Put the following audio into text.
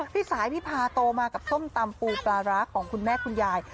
พี่สายพี่พาโตมากับส้มตำปูปลาร้าของคุณแม่คุณยาย